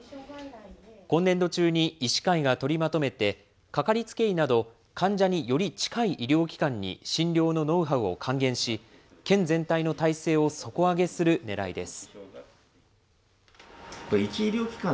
今年度中に医師会が取りまとめて、かかりつけ医など、患者により近い医療機関に診療のノウハウを還元し、県全体の態勢を底上げするねらいです。